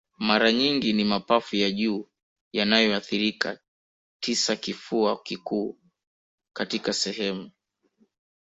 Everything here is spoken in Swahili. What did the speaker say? Mara nyingi ni mapafu ya juu yanayoathirika tisa Kifua kikuu katika sehemu